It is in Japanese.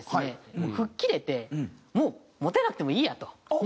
もう吹っ切れてもうモテなくてもいいやと。